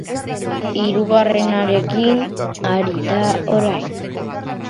Hirugarrenarekin ari da orain.